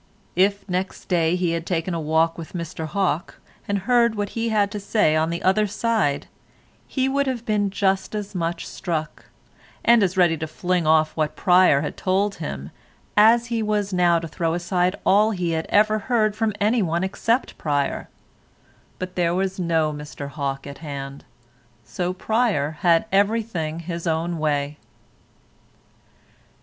If next day he had taken a walk with Mr Hawke, and heard what he had to say on the other side, he would have been just as much struck, and as ready to fling off what Pryer had told him, as he now was to throw aside all he had ever heard from anyone except Pryer; but there was no Mr Hawke at hand, so Pryer had everything his own way.